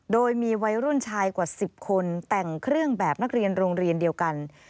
โดยมีวัยรุ่นชายกว่า๑๐คนแต่งเครื่องแบบนักเรียนโรงเรียนเดียวกัน